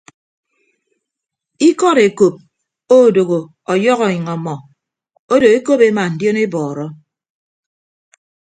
Ikọd ekop odooho ọyọhọ enyịñ ọmmọ odo ekop ema ndionebọọrọ.